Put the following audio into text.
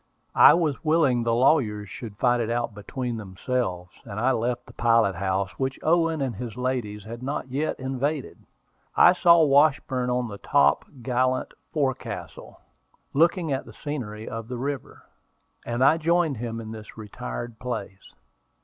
I was willing the lawyers should fight it out between themselves, and I left the pilot house, which Owen and his ladies had not yet invaded. I saw Washburn on the top gallant forecastle, looking at the scenery of the river, and I joined him in this retired place.